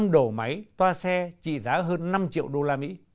năm đổ máy toa xe trị giá hơn năm triệu đô la mỹ